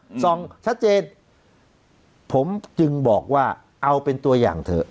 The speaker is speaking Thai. อืมส่องชัดเจนผมจึงบอกว่าเอาเป็นตัวอย่างเถอะ